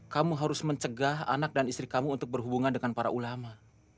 kamu harus mencegah anak dan istri kamu untuk berhubungan dengan para ulama